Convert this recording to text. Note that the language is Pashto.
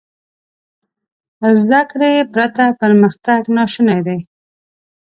زده کړې پرته پرمختګ ناشونی دی.